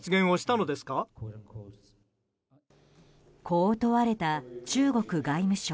こう問われた中国外務省。